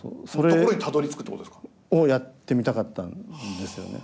ところにたどりつくってことですか？をやってみたかったんですよね。